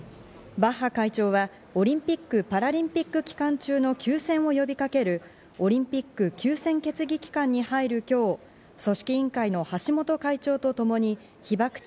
バッハ会長はオリンピック・パラリンピック期間中の休戦を呼びかけるオリンピック休戦決議期間に入る今日、組織委員会の橋本会長とともに被爆地